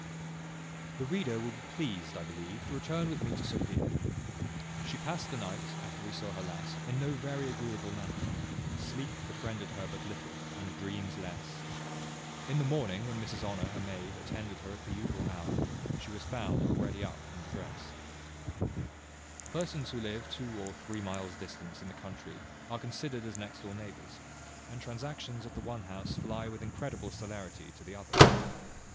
The reader will be pleased, I believe, to return with me to Sophia. She passed the night, after we saw her last, in no very agreeable manner. Sleep befriended her but little, and dreams less. In the morning, when Mrs Honour, her maid, attended her at the usual hour, she was found already up and drest. Persons who live two or three miles' distance in the country are considered as next door neighbours, and transactions at the one house fly with incredible celerity to the other.